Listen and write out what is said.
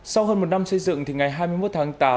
sau hơn một năm xây dựng thì ngày hai mươi một tháng tám